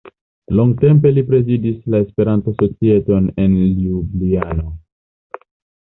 Longtempe li prezidis la Esperanto-societon en Ljubljana.